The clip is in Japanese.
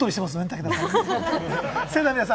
武田さん。